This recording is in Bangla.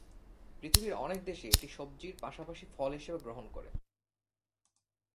পৃথিবীর অনেক দেশে এটি সবজির পাশাপাশি ফল হিসেবে গ্রহণ করে।